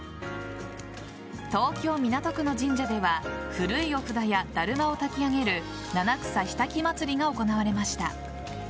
東京・港区の神社では古いお札やだるまを炊き上げる七草火焚き祭りが行われました。